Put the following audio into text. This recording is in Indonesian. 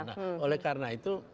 nah oleh karena itu